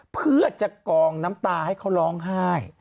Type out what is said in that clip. เพื่อจะกองน้ำตาให้เขาร้องไห้